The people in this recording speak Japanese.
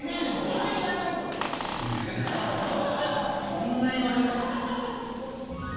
そんな言われます？